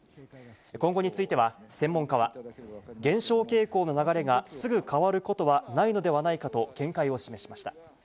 今後については、専門家は、減少傾向の流れがすぐ変わることはないのではないかと、見解を示しました。